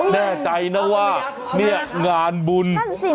แน่ใจนะว่างานบุญ